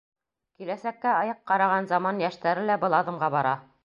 Киләсәккә айыҡ ҡараған заман йәштәре лә был аҙымға бара.